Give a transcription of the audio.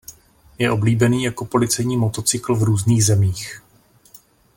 Je oblíbený jako policejní motocykl v různých zemích.